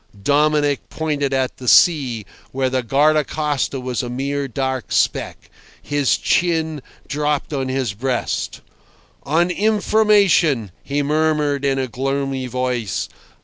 ..." Dominic pointed at the sea, where the guardacosta was a mere dark speck. His chin dropped on his breast. "... On information," he murmured, in a gloomy voice.